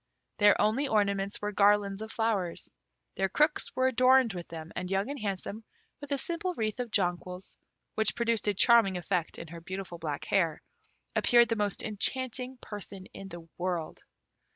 Their only ornaments were garlands of flowers. Their crooks were adorned with them, and Young and Handsome, with a simple wreath of jonquils, which produced a charming effect in her beautiful black hair, appeared the most enchanting person in the world.